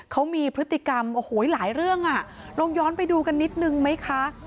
เขามีพฤติกรรมโอ้โหหลายเรื่องอ่ะลองย้อนไปดูกันนิดนึงไหมคะ